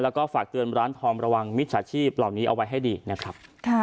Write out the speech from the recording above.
แล้วก็ฝากเตือนร้านทองระวังมิจฉาชีพเหล่านี้เอาไว้ให้ดีนะครับ